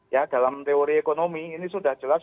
ya dalam teori ekonomi ini sudah jelas